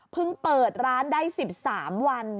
เพิ่งเปิดร้านได้๑๓วัน